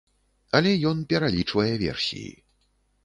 Але ён пералічвае версіі.